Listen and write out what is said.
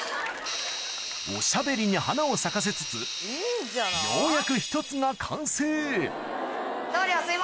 おしゃべりに花を咲かせつつようやくはい。